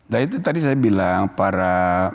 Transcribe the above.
nah itu tadi saya bilang para